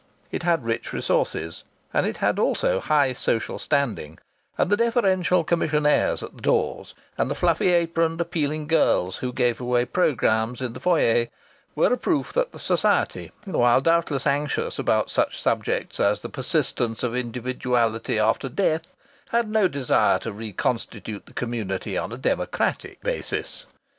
It had rich resources, and it had also high social standing; and the deferential commissionaires at the doors and the fluffy aproned, appealing girls who gave away programmes in the foyer were a proof that the Society, while doubtless anxious about such subjects as the persistence of individuality after death, had no desire to reconstitute the community on a democratic basis.